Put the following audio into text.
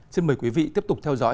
xin mời quý vị tiếp tục theo dõi